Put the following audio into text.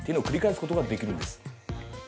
繰り返すことができるんです。